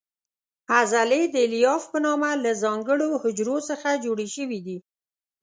عضلې د الیاف په نامه له ځانګړو حجرو څخه جوړې شوې دي.